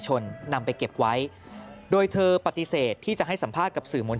นำไปเก็บไว้โดยเธอปฏิเสธที่จะให้สัมภาษณ์กับสื่อมวลชน